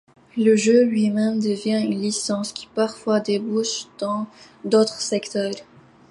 Le jeu lui-même devient une licence qui parfois débouche dans d'autres secteurs.